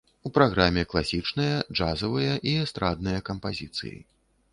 У праграме класічныя, джазавыя і эстрадныя кампазіцыі.